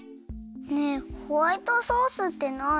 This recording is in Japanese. ねえホワイトソースってなに？